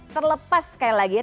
terlepas sekali lagi ya